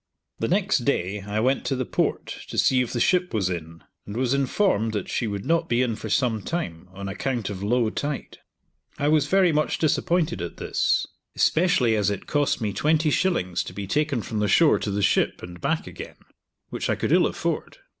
The next day I went to the Port to see if the ship was in, and was informed that she would not be in for some time, on account of low tide. I was very much disappointed at this, especially as it cost me twenty shillings to be taken from the shore to the ship and back again, which I could ill afford.